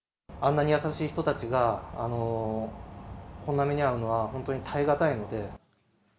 あんなに優しい人たちが、こんな目に遭うのは本当に耐え難いので。